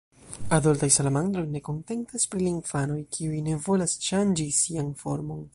Adoltaj salamandroj ne kontentas pri la infanoj, kiuj ne volas ŝanĝi sian formon.